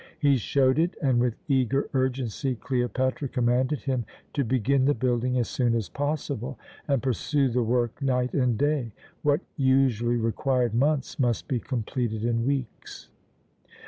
He showed it, and with eager urgency Cleopatra commanded him to begin the building as soon as possible and pursue the work night and day. What usually required months must be completed in weeks.